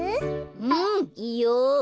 うんいいよ。